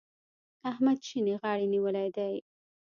احمد شينې غاړې نيولی دی.